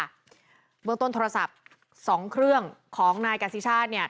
เบื้องต้นโทรศัพท์๒เครื่องของนายกษิชาติเนี่ย